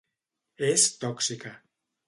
És tòxica.